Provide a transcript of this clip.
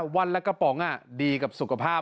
วันละกระป๋องดีกับสุขภาพ